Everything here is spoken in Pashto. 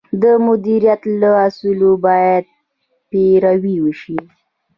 د مدیریت له اصولو باید پیروي وشي.